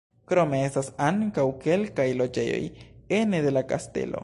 Krome estas ankaŭ kelkaj loĝejoj ene de la kastelo.